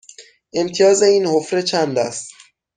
امتیاز این حفره چند است؟